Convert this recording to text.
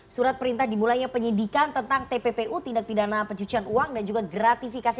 surat perintah dimulainya penyidikan tentang tppu tindak pidana pencucian uang dan juga gratifikasi